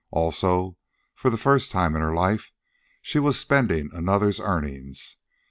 Also, for the first time in her life she was spending another's earnings.